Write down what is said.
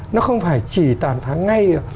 nó không phải chỉ tàn phá ngay